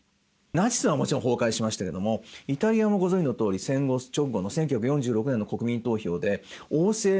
ナチスはもちろん崩壊しましたけどもイタリアもご存じのとおり戦後直後の１９４６年の国民投票で王制が共和制になっちゃったわけです。